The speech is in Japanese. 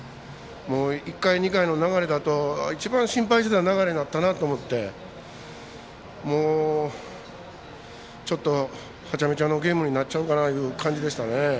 １回、２回の流れだと一番心配していた流れになったなと思ってちょっとはちゃめちゃなゲームになっちゃうかなという感じでしたね。